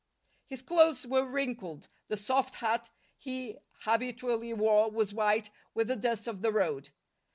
His clothes were wrinkled; the soft hat he habitually wore was white with the dust of the road.